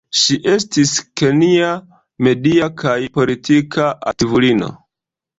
Ŝi estis kenja media kaj politika aktivulino.